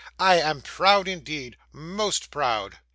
I am proud, indeed most proud.